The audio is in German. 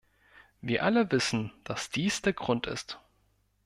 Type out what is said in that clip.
Wir alle wissen, dass dies der Grund ist.